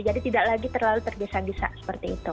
jadi tidak lagi terlalu tergesa gesa seperti itu